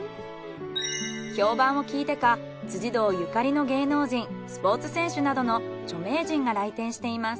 評判を聞いてか堂ゆかりの芸能人・スポーツ選手などの著名人が来店しています。